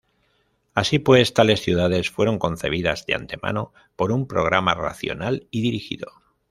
Así pues tales ciudades fueron concebidas de antemano por un programa racional y dirigido.